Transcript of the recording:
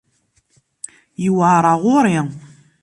Yewεer ɣer ɣur-i.